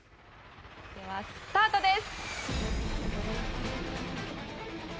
ではスタートです。